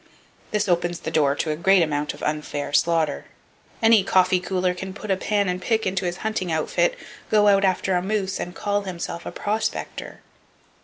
This opens the door to a great amount of unfair slaughter. Any coffee cooler can put a pan and pick into his hunting outfit, go out after moose, and call himself a "prospector."